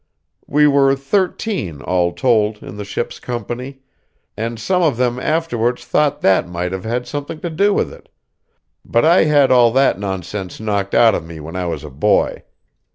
We were thirteen, all told, in the ship's company; and some of them afterwards thought that might have had something to do with it, but I had all that nonsense knocked out of me when I was a boy.